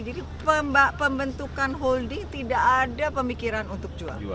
jadi pembentukan holding tidak ada pemikiran untuk jual